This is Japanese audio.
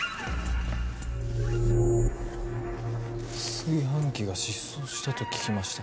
「炊飯器が失踪したと聞きました。